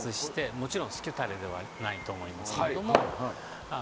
もちろんスキュタレーではないと思いますけど。